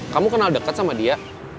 kamu kenal dekat sama dia